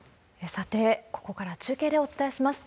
さて、ここから中継でお伝えします。